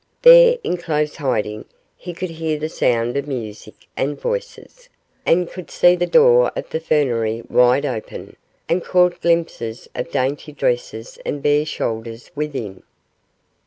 There, in close hiding, he could hear the sound of music and voices, and could see the door of the fernery wide open, and caught glimpses of dainty dresses and bare shoulders within.